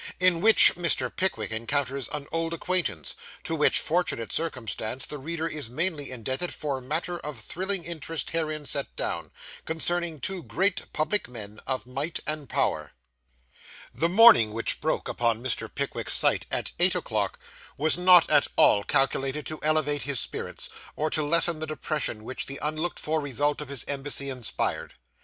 IN WHICH MR. PICKWICK ENCOUNTERS AN OLD ACQUAINTANCE TO WHICH FORTUNATE CIRCUMSTANCE THE READER IS MAINLY INDEBTED FOR MATTER OF THRILLING INTEREST HEREIN SET DOWN, CONCERNING TWO GREAT PUBLIC MEN OF MIGHT AND POWER The morning which broke upon Mr. Pickwick's sight at eight o'clock, was not at all calculated to elevate his spirits, or to lessen the depression which the unlooked for result of his embassy inspired.